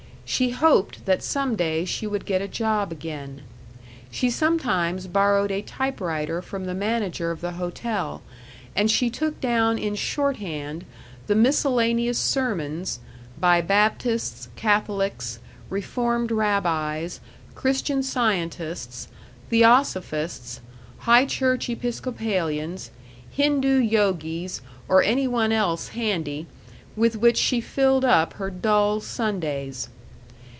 She hoped that some day she would get a job again. She sometimes borrowed a typewriter from the manager of the hotel, and she took down in shorthand the miscellaneous sermons by Baptists, Catholics, Reformed rabbis, Christian Scientists, theosophists, High Church Episcopalians, Hindu yogis, or any one else handy with which she filled up her dull Sundays....